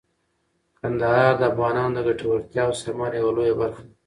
کندهار د افغانانو د ګټورتیا او ثمر یوه لویه برخه ده.